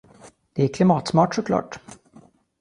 Det är klimatsmart såklart.